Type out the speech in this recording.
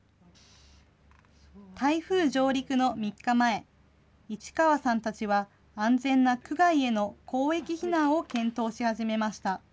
台風上陸の３日前、市川さんたちは、安全な区外への広域避難を検討し始めました。